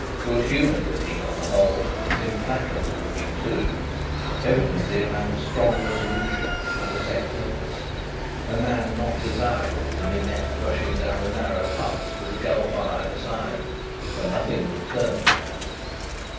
Good humoured looking on the whole, but implacable looking, too; evidently a man of a strong resolution and a set purpose; a man not desirable to be met, rushing down a narrow pass with a gulf on either side, for nothing would turn the man.